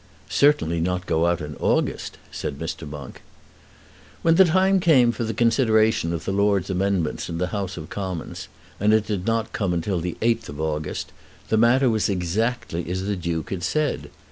"Certainly not go out in August," said Mr. Monk. When the time came for the consideration of the Lords' amendments in the House of Commons, and it did not come till the 8th of August, the matter was exactly as the Duke had said.